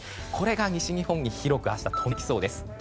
これが西日本に広く飛んできそうです。